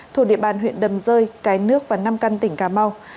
thuộc địa bàn huyện đầm rơi cái nước và nam căn tỉnh cà mau